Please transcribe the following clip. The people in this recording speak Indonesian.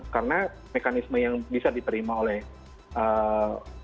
karena mekanisme yang bisa diterima oleh dunia internet